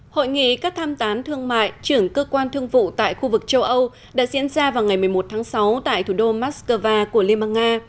hội nghị các tham tán thương mại trưởng cơ quan thương vụ tại khu vực châu âu đã diễn ra vào ngày một mươi một tháng sáu tại thủ đô moscow của liên bang nga